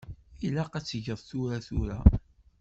Ilaq ad t-geɣ tura tura?